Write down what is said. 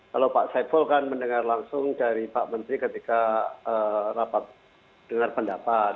kalau pak saiful kan mendengar langsung dari pak menteri ketika rapat dengar pendapat